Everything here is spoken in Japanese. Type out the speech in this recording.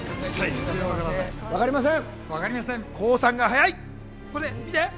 わかりません！